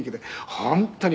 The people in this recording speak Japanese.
「本当に。